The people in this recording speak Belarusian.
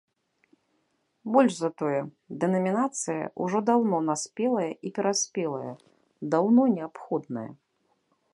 Больш за тое, дэнамінацыя ўжо даўно наспелая і пераспелая, даўно неабходная.